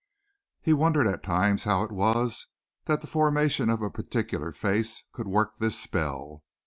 He wondered at times how it was that the formation of a particular face could work this spell.